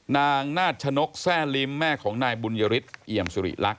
นานาชนกแซ่ลิ้มแม่ของนายบุญยฤทธิเอี่ยมสุริลักษ